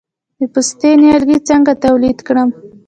د پستې نیالګي څنګه تولید کړم؟